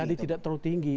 jadi tidak terlalu tinggi